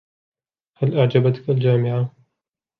هل أعجبتك الجامعة ؟